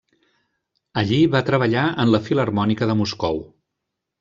Allí va treballar en la Filharmònica de Moscou.